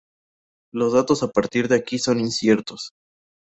Los datos a partir de aquí son inciertos.